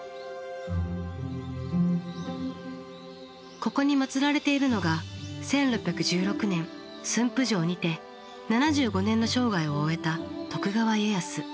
ここに祀られているのが１６１６年駿府城にて７５年の生涯を終えた徳川家康。